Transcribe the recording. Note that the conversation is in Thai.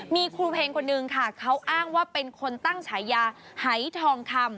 มีครูเพลงคนนึงค่ะเขาอ้างว่าเป็นคนตั้งฉายาหายทองคำ